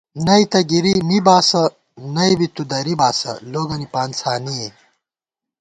نئ تہ گِری می باسہ نئ بی تُو درِی باسہ لوگَنی پانڅھانِئے